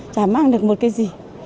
chả mang được một cái gì